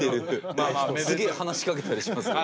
すげえ話しかけたりしますよ。